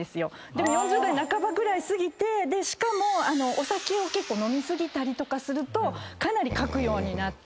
でも４０代半ばぐらい過ぎてしかもお酒を飲み過ぎたりとかするとかなりかくようになって。